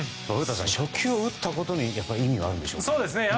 初球を打ったところに意味があるんでしょうか。